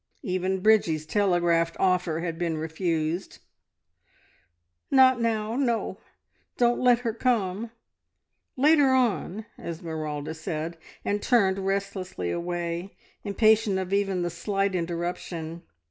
Even Bridgie's telegraphed offer had been refused. "Not now! No. Don't let her come later on," Esmeralda said, and turned restlessly away, impatient even of the slight interruption.